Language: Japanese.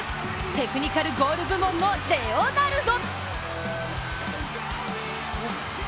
テクニカルゴール部門のレオナルド！